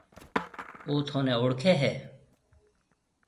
او ٿُونَي اوݪکيَ هيَ۔